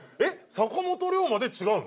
坂本龍馬で違うの？